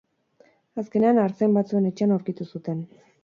Azkenean, artzain batzuen etxean aurkitu zuten.